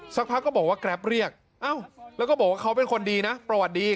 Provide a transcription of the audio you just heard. สักพักก็บอกว่าแกรปเรียกแล้วก็บอกว่าเขาเป็นคนดีนะประวัติดี